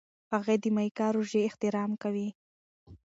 هغې د میکا روژې احترام کوي.